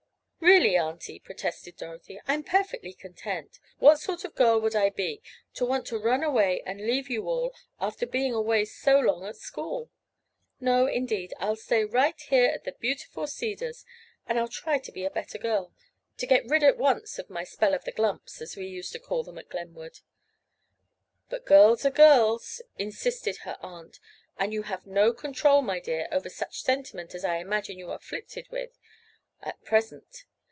"Really, aunty," protested Dorothy, "I am perfectly content. What sort of girl would I be to want to run away and leave you all after being away so long at school? No, indeed, I'll stay right here at the beautiful Cedars, and I'll try to be a better girl—to get rid at once of my spell of the 'glumps' as we used to call them at Glenwood." "But girls are girls," insisted her aunt, "and you have no control, my dear, over such sentiment as I imagine you are afflicted with at present.